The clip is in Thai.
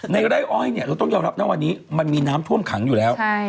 ไร่อ้อยเนี่ยเราต้องยอมรับนะวันนี้มันมีน้ำท่วมขังอยู่แล้ว